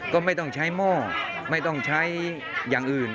ก็ไม่ต้องใช้หม้อไม่ต้องใช้อย่างอื่น